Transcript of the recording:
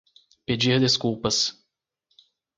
Pedir desculpas